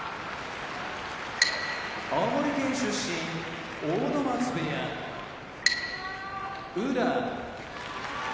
青森県出身阿武松部屋宇良